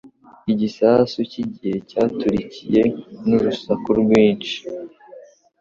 Igisasu cyigihe cyaturikiye n urusaku rwinshi.